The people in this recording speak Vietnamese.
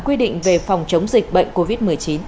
quy định về phòng chống dịch bệnh covid một mươi chín